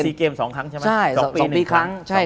ซีเกมสองครั้ง